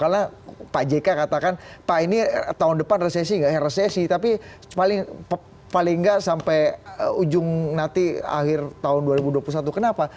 karena pak jk katakan pak ini tahun depan resesi nggak resesi tapi paling nggak sampai ujung nanti akhir tahun dua ribu dua puluh satu kenapa